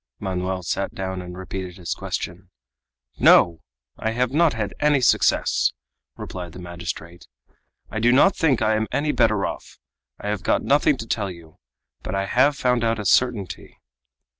Manoel sat down and repeated his question. "No! I have not had any success!" replied the magistrate; "I do not think I am any better off. I have got nothing to tell you; but I have found out a certainty."